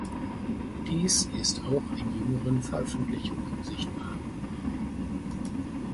Dies ist auch in jüngeren Veröffentlichungen sichtbar.